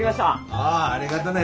ああありがとね。